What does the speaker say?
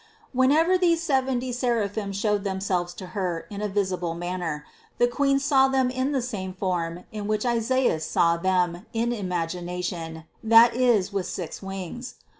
368. Whenever these seventy seraphim showed them selves to Her in a visible manner, the Queen saw them in the same form in which Isaias saw them in imagina tion, that is with six wings.